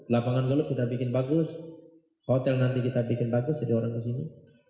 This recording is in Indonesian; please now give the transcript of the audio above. lapangan golf sudah bikin bagus hotel nanti kita bikin bagus jadi orang kesini